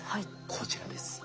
こちらです。